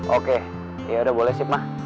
oke yaudah boleh sip ma